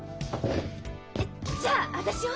えっじゃあ私を？